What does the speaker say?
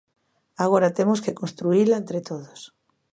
Agora temos que construíla entre todos.